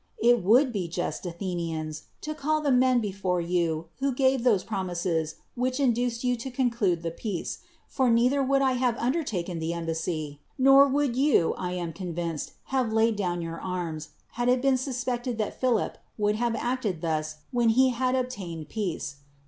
It would be just, Athenians, to call the men before you who gave those promises which in duced you to conclude the peace; for neither would I have undertaken the embassy, nor would 117 THE WORLD'S FAMOUS ORATIONS yon, I am convinced, have laid down your arms, had it been suspected that Philip would have acted thus when he had obtained peace.